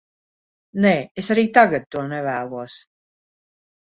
Nē, es arī tagad to nevēlos.